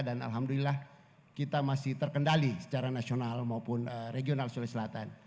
dan alhamdulillah kita masih terkendali secara nasional maupun regional sulawesi selatan